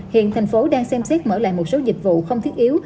hiện thành phố đang xem xét mở lại một số dịch vụ không thiết yếu